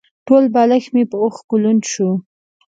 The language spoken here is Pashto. ټول بالښت مې په اوښکو لوند شو.